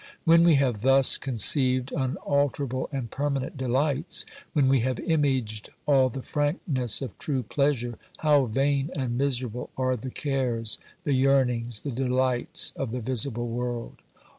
When we have thus conceived unalterable and permanent delights, when we have imaged all the frankness of true pleasure, how vain and miserable are the cares, the yearnings, the delights of the visible world